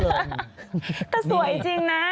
ก็สวยจริงนะ